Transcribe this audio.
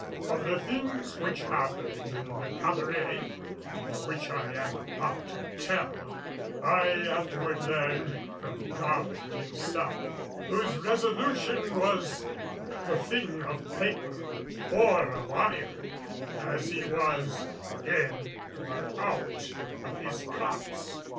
Of the things which happened in the cabaret and of which I am about to tell, I afterward learned from Goddard himself, whose resolution was a thing of paper or of iron as he was in or out of his cups.